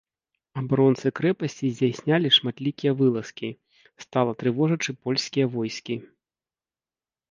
Абаронцы крэпасці здзяйснялі шматлікія вылазкі, стала трывожачы польскія войскі.